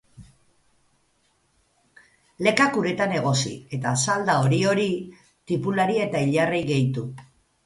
Lekak uretan egosi, eta salda hori hori tipulari eta ilarrei gehitu.